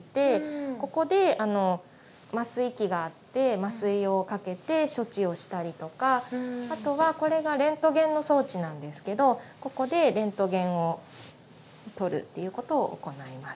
ここで麻酔器があって麻酔をかけて処置をしたりとかあとはこれがレントゲンの装置なんですけどここでレントゲンを撮るっていうことを行います。